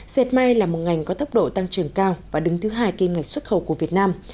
dệt may là một ngành có tốc độ tăng trưởng cao và đứng thứ hai kim ngạch xuất khẩu của việt nam